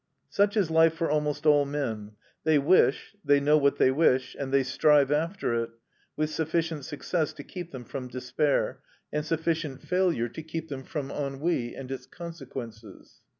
Such is life for almost all men; they wish, they know what they wish, and they strive after it, with sufficient success to keep them from despair, and sufficient failure to keep them from ennui and its consequences.